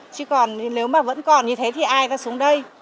chứ còn nếu mà vẫn còn như thế thì ai có xuống đây